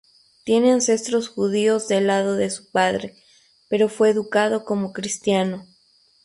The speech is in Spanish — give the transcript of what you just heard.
Tiene ancestros judíos del lado de su padre, pero fue educado como cristiano.